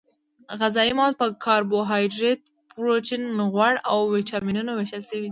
غذايي مواد په کاربوهایدریت پروټین غوړ او ویټامینونو ویشل شوي دي